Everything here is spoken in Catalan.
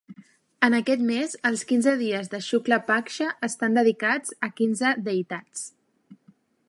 En aquest mes, els quinze dies de Shukla Paksha estan dedicats a quinze deïtats.